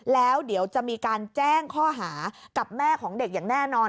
แล้วเดี๋ยวจะมีการแจ้งข้อหากับแม่ของเด็กอย่างแน่นอน